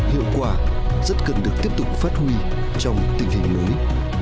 hiệu quả rất cần được tiếp tục phát huy trong tình hình mới